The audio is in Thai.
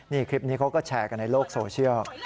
นี่คลิปนี้เขาก็แชร์กันในโลกโซเชียล